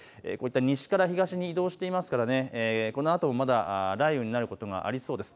西から東に移動していますから、このあともまだ雷雨になることがありそうです。